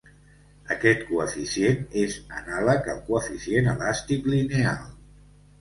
Aquest coeficient és anàleg al coeficient elàstic lineal.